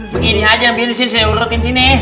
begini aja yang pilih sini saya urutin sini